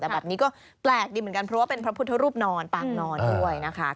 แต่แบบนี้ก็แปลกดีเหมือนกันเพราะว่าเป็นพระพุทธรูปนอนปางนอนด้วยนะคะ